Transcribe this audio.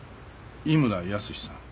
井村泰さん